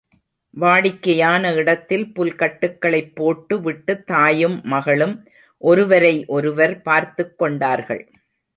வாடிக்கையான இடத்தில் புல் கட்டுக்களைப் போட்டு விட்டுத் தாயும், மகளும் ஒருவரை ஒருவர் பார்த்துக் கொண்டார்கள்.